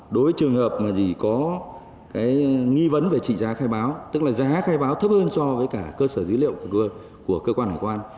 đối với trường hợp mà gì có cái nghi vấn về trị giá khai báo tức là giá khai báo thấp hơn so với cả cơ sở dữ liệu của cơ quan hải quan